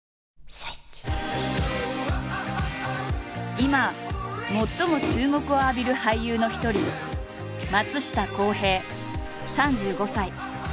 今最も注目を浴びる俳優の一人松下洸平３５歳。